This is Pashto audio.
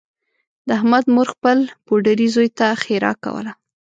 د احمد مور خپل پوډري زوی ته ښېرا کوله